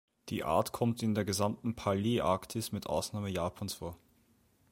Die Art kommt in der gesamten Paläarktis, mit Ausnahme Japans vor.